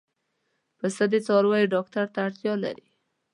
پسه د څارویو ډاکټر ته اړتیا لري.